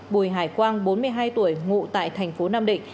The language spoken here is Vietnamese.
bùi hải quang bốn mươi hai tuổi ngụ tại thành phố nam định